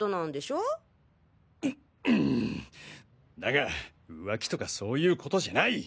うううむだが浮気とかそういうことじゃない。